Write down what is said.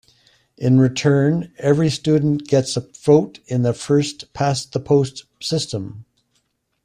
In return every student gets a vote in a first past the post system.